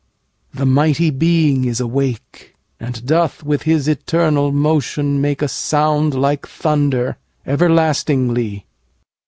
the mighty Being is awake, And doth with his eternal motion make A sound like thunder–everlastingly.